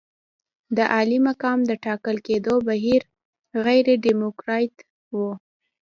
د عالي مقام د ټاکل کېدو بهیر غیر ډیموکراتیک وو.